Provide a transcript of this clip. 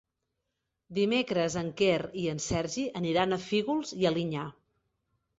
Dimecres en Quer i en Sergi aniran a Fígols i Alinyà.